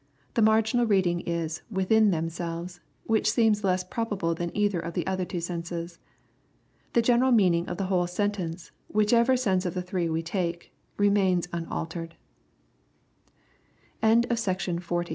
The marginal reading ii " within " themselves, which seems less probable than either of the otiber two senses. The general meaning of the whole sentence, whichever sense of the three we take, remains